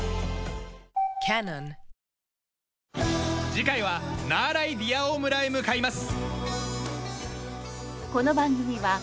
次回はナーライディアオ村へ向かいます。